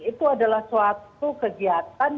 itu adalah suatu kegiatan